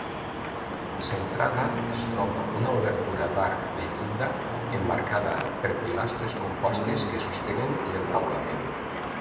Centrada, es troba una obertura d'arc de llinda emmarcada per pilastres compostes que sostenen l'entaulament.